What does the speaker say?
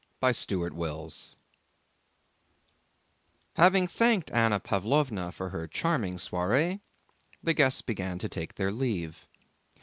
CHAPTER VI Having thanked Anna Pávlovna for her charming soiree, the guests began to take their leave.